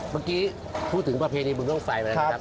เมื่อกี้พูดถึงประเภทในบริเวณโรงไฟมั้ยครับ